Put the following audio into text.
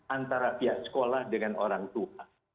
antara pihak sekolah dengan orang tua